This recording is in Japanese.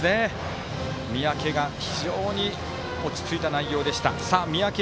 三宅、非常に落ち着いた内容でした。